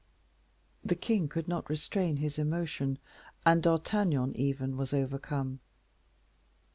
The king could not restrain his emotion, and D'Artagnan, even, was overcome.